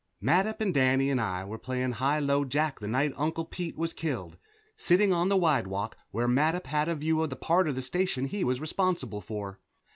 Mattup and Danny and I were playing high low jack the night Uncle Pete was killed, sitting on the widewalk where Mattup had a view of the part of the station he was responsible for.